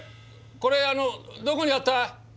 これどこにあった？